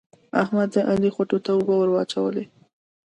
احمد د علي خوټو ته اوبه ور اچوي.